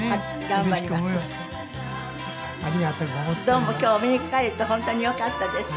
どうも今日お目にかかれて本当によかったです。